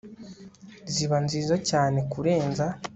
ziba nziza cyane kurenza